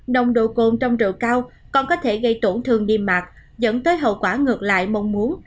nồng độ cồn trong rượu cao còn có thể gây tổn thương điềm mạc dẫn tới hậu quả ngược lại mong muốn